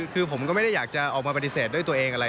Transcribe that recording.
คือผมก็ไม่ได้อยากจะออกมาปฏิเสธด้วยตัวเองอะไร